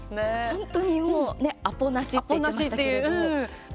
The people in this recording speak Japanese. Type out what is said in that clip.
本当に、もうアポなしって言ってましたけれども。